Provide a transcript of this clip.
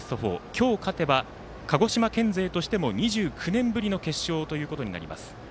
今日、勝てば鹿児島県勢としても２９年ぶりの決勝ということになります。